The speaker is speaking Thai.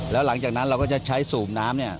แล้วหลังจากนั้นเราก็จะใช้สูบน้ำเนี่ย